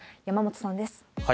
山本さんです。